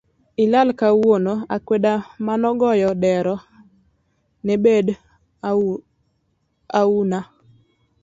Ilal ka wuon akwenda manogoyo dero nebend auna